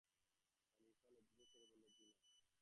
হানিফা লজ্জিত স্বরে বলল, জ্বি-না।